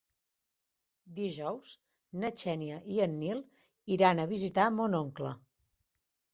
Dijous na Xènia i en Nil iran a visitar mon oncle.